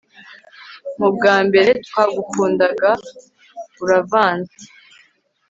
mubwa mbere twagukundaga uravanze